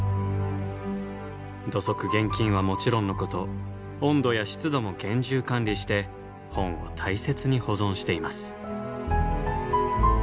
土足厳禁はもちろんのこと温度や湿度も厳重管理して本を大切に保存しています。